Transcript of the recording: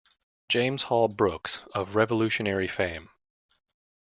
James Hall Brooks, of Revolutionary fame.